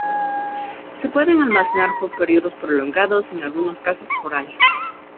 Se pueden almacenar por períodos prolongados, en algunos casos por años.